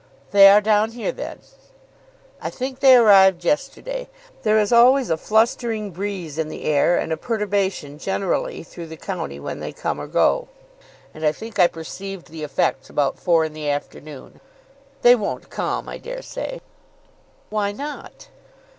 "They are down here then?" "I think they arrived yesterday. There is always a flustering breeze in the air and a perturbation generally through the county when they come or go, and I think I perceived the effects about four in the afternoon. They won't come, I dare say." "Why not?"